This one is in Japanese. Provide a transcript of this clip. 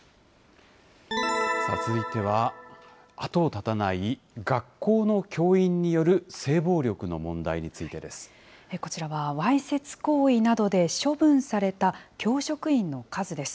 続いては後を絶たない学校の教員による性暴力の問題についてこちらはわいせつ行為などで、処分された教職員の数です。